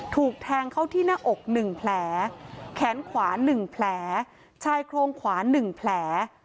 ถูกแทงเขาที่หน้าอกหนึ่งแผลแขนขวาหนึ่งแผลชายโครงขวาหนึ่งแผล